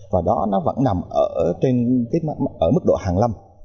và đó nó vẫn nằm ở mức độ hàng lăm